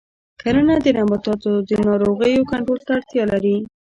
کرنه د نباتاتو د ناروغیو کنټرول ته اړتیا لري.